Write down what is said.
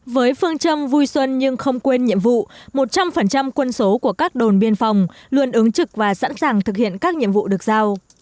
với phương châm vui xuân nhưng không quên nhiệm vụ một trăm linh quân số của các đồn biên phòng luôn ứng trực và sẵn sàng thực hiện các nhiệm vụ được giao